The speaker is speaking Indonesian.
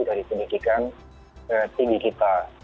dari pendidikan tinggi kita